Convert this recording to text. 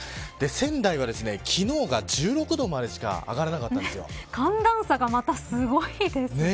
仙台は昨日が１６度までしか寒暖差がまたすごいですね。